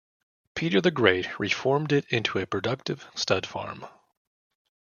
Peter the Great reformed it into a productive stud farm.